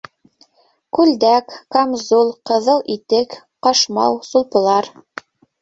Күлдәк, камзул, ҡыҙыл итек, ҡашмау, сулпылар.